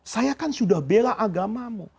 saya kan sudah bela agamamu